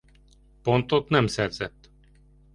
Pontot nem szerzett.